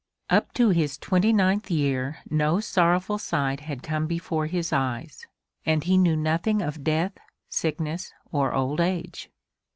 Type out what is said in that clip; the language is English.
Up to his twenty ninth year no sorrowful sight had come before his eyes, and he knew nothing of Death, Sickness or Old Age.